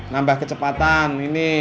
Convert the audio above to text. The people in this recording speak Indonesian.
nambah kecepatan ini